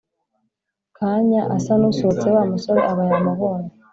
kanya asanusohotse wamusore aba yamubonye.